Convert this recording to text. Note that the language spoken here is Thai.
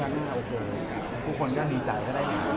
หรือว่าบอกเรื่องนี้เราเจอทุกคนก็ดีใจก็ได้